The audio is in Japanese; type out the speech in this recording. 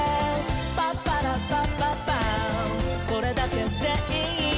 「パッパラッパッパッパーそれだけでいい」